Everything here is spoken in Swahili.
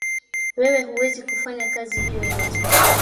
Wewe huwezi kufanya kazi hiyo yote